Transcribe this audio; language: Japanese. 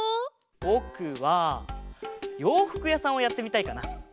ぼくはようふくやさんをやってみたいかな。